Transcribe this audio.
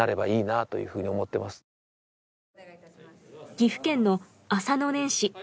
岐阜県の浅野撚糸。